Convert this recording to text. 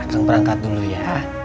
langsung perangkat dulu ya mak